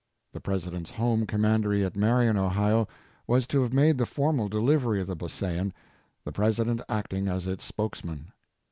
The President's home Commandery at Marion, Ohio, was to have made the formal delivery of the Beauseant, the President acting as its spokesman.